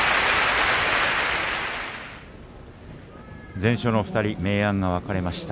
全勝の２人明暗が分かれました。